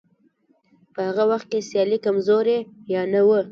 په هغه وخت کې سیالي کمزورې یا نه وه.